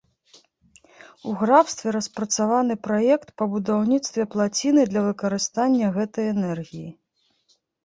У графстве распрацаваны праект па будаўніцтве плаціны для выкарыстання гэтай энергіі.